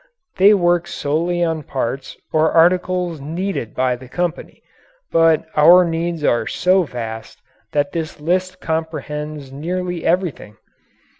They work solely on parts or articles needed by the company, but our needs are so vast that this list comprehends nearly everything.